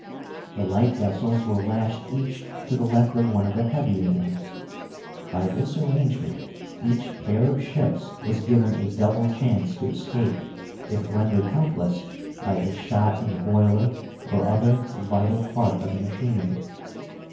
The light vessels were lashed each to the left of one of the heavier ones. By this arrangement each pair of ships was given a double chance to escape, if rendered helpless by a shot in the boiler or other vital part of the machinery.